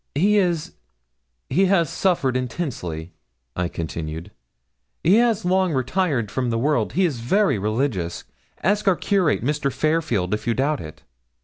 'He is he has suffered intensely,' I continued. 'He has long retired from the world; he is very religious. Ask our curate, Mr. Fairfield, if you doubt it.'